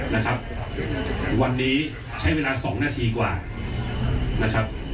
นะครับวันนี้ใช้เวลาสองนาทีกว่านะครับ